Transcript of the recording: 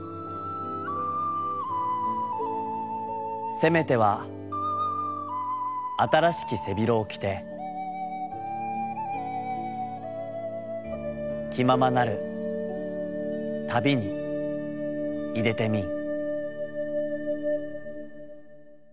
「せめては新しき背広をきてきままなる旅にいでてみん」。